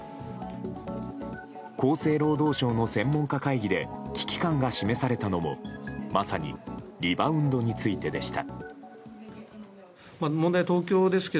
厚生労働省の専門家会議で危機感が示されたのもまさにリバウンドについてでした。